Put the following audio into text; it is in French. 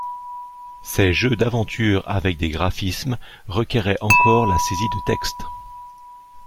Ces jeux d'aventure avec des graphismes requéraient encore la saisie de textes.